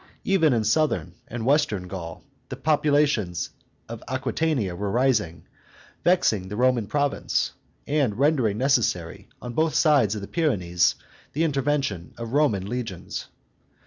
Even in southern and western Gaul the populations of Agnitania were rising, vexing the Roman province, and rendering necessary, on both sides of the Pyrenees, the intervention of Roman legions.